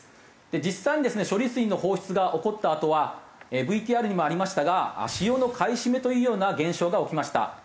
実際にですね処理水の放出が起こったあとはＶＴＲにもありましたが塩の買い占めというような現象が起きました。